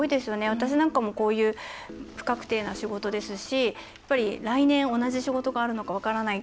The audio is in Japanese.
私なんかもこういう不確定な仕事ですしやっぱり、来年同じ仕事があるのか分からない。